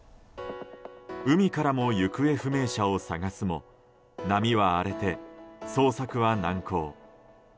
海から行方不明者を捜すも波は荒れて捜索は難航。